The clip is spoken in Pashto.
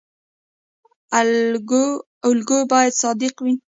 الګو باید صادق وي